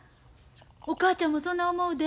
お母ちゃんもそな思うで。